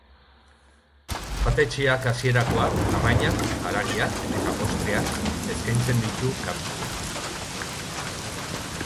Jatetxeak hasierakoak, arrainak, haragiak eta postreak eskaintzen ditu kartan.